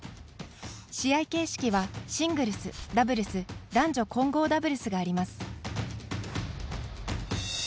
試合形式はシングルス、ダブルス男女混合ダブルスがあります。